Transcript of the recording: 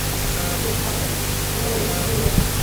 Ambulance পাওয়া গেলো রেলে লাইনে।